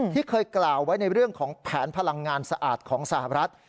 ที่เคยกล่าวไว้ในเรื่องของแผนพลังงานสะอาดของสหรัฐ